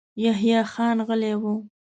يحيی خان غلی و.